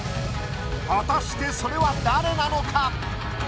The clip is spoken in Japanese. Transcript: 果たしてそれは誰なのか⁉